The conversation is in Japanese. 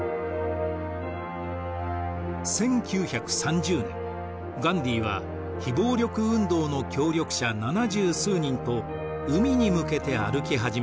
１９３０年ガンディーは非暴力運動の協力者七十数人と海に向けて歩き始めました。